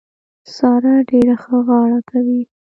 سارا ډېره ښه غاړه کوي.